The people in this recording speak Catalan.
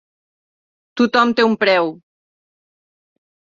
Tothom té un preu.